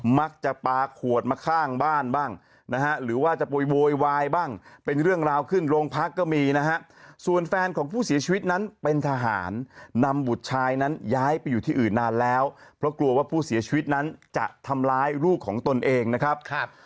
มักจะปลาขวดมาข้างบ้านบ้างนะฮะหรือว่าจะโวยโวยวายบ้างเป็นเรื่องราวขึ้นโรงพักก็มีนะฮะส่วนแฟนของผู้เสียชีวิตนั้นเป็นทหารนำบุตรชายนั้นย้ายไปอยู่ที่อื่นนานแล้วเพราะกลัวว่าผู้เสียชีวิตนั้นจะทำร้ายลูกของตนเองนะครับ